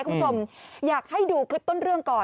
คุณผู้ชมอยากให้ดูคลิปต้นเรื่องก่อน